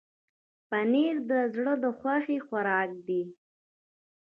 پنېر د زړه خوښي خوراک دی.